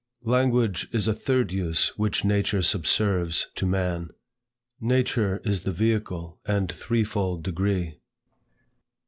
LANGUAGE is a third use which Nature subserves to man. Nature is the vehicle, and threefold degree.